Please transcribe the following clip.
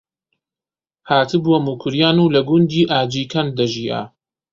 هاتبووە موکریان و لە گوندی ئاجیکەند دەژیا